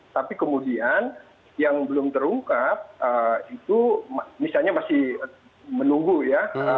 tapi kemudian yang belum terungkap itu misalnya masih menunggu ya